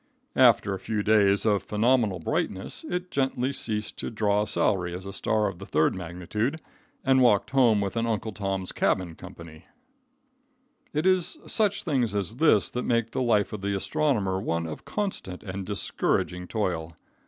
After a few days of phenomenal brightness, it gently ceased to draw a salary as a star of the third magnitude, and walked home with an Uncle Tom's Cabin company. [Illustration: A NIGHTLY VIGIL.] It is such things as this that make the life of the astronomer one of constant and discouraging toil.